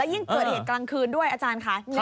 ยิ่งเกิดเหตุกลางคืนด้วยอาจารย์ค่ะ